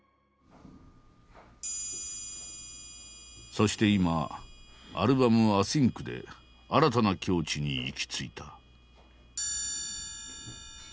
そして今アルバム「ａｓｙｎｃ」で新たな境地に行き着いた。